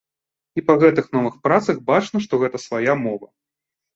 І па гэтых новых працах бачна, што гэта свая мова.